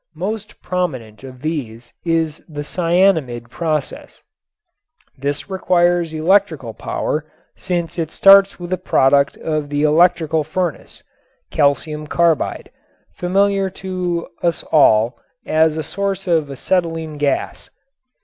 Most prominent of these is the cyanamid process. This requires electrical power since it starts with a product of the electrical furnace, calcium carbide, familiar to us all as a source of acetylene gas.